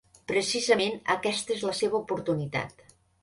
Precisament aquesta és la seva oportunitat.